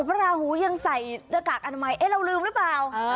พระราหูยังใส่หน้ากากอนามัยเอ๊ะเราลืมหรือเปล่า